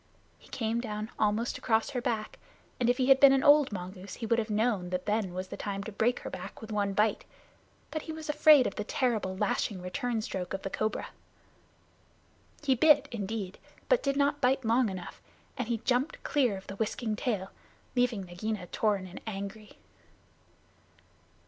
He came down almost across her back, and if he had been an old mongoose he would have known that then was the time to break her back with one bite; but he was afraid of the terrible lashing return stroke of the cobra. He bit, indeed, but did not bite long enough, and he jumped clear of the whisking tail, leaving Nagaina torn and angry.